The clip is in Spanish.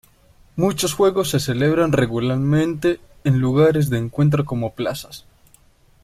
Muchos juegos se celebran regularmente en lugares de encuentro como plazas.